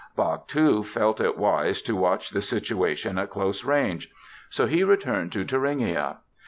Bach, too, felt it wise to watch the situation at close range. So he returned to Thuringia.